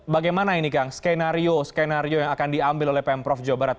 bagaimana ini kang skenario skenario yang akan diambil oleh pemprov jawa barat